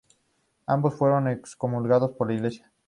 Ambos fueron excomulgados por la iglesia.